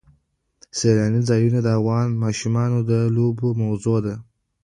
سیلانی ځایونه د افغان ماشومانو د لوبو موضوع ده.